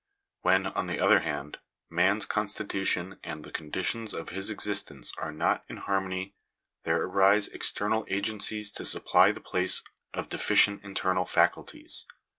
When, on the other hand, man's constitution and the conditions of his existence are not in harmony there arise external agencies to supply the place of deficient internal faculties.